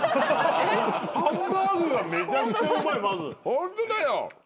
ホントだよ。